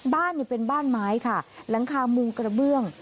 บ้านเป็นบ้านไม้ค่ะหลังคามุงกระเบื้อง